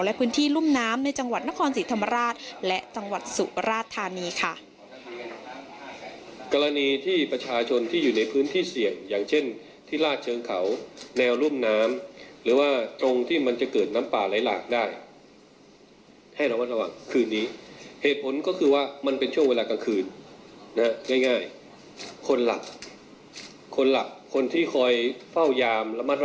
และพื้นที่รุ่มน้ำในจังหวัดนครศรีธรรมราชและจังหวัดสุราธานีค่ะ